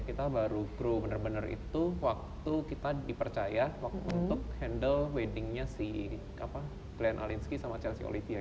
kita baru grow bener bener itu waktu kita dipercaya untuk handle weddingnya si glenn alinsky sama chelsea olivia